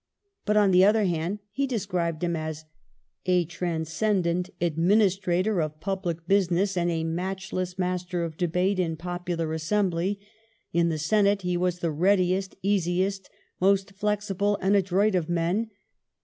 But on the other hand he described him as " a transcendant administrator of public business, and a matchless master of debate in a popular assembly. ... In the senate he was the readiest, easiest, most flexible and adroit of men.